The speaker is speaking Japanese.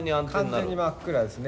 完全に真っ暗ですね。